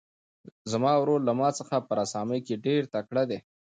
زما ورور له ما څخه په رسامۍ کې ډېر تکړه دی.